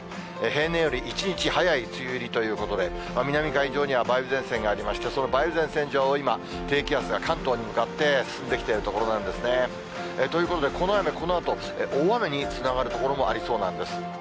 平年より１日早い梅雨入りということで、南海上には梅雨前線がありまして、その梅雨前線上を今、低気圧が関東に向かって、進んできているところなんですね。ということで、この雨、このあと大雨につながる所もありそうなんです。